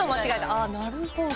あ、なるほど。